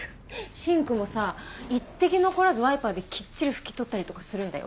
シンクもさ一滴残らずワイパーできっちり拭き取ったりとかするんだよ。